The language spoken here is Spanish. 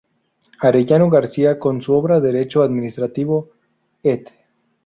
Arellano García con su obra Derecho Administrativo, Ed.